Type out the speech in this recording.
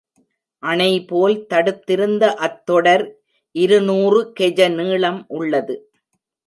அணைபோல் தடுத்திருந்த அத் தொடர் இருநூறு கெஜ நீளம் உள்ளது.